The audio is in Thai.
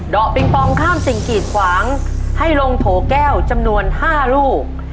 ปิงปองข้ามสิ่งกีดขวางให้ลงโถแก้วจำนวน๕ลูก